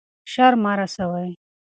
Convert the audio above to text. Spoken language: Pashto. شر مه رسوئ.